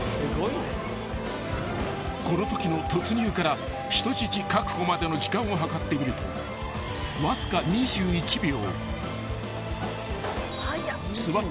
［このときの突入から人質確保までの時間を計ってみるとわずか２１秒］